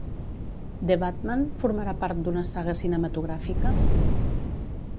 The Batman formarà part d'una saga cinematogràfica?